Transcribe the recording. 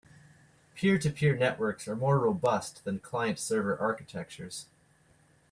Peer-to-peer networks are more robust than client-server architectures.